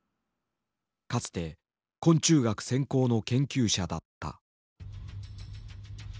かつて昆虫学専攻の研究者だった。